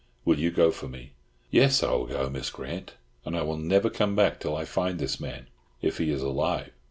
Will you go for me?" "Yes. I will go, Miss Grant; and I will never come back till I find this man—if he is alive."